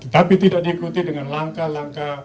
tapi tidak diikuti dengan langkah langkah